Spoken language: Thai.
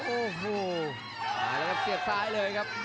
โอ้โหมาแล้วครับเสียบซ้ายเลยครับ